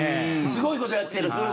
すごいことやってるよ。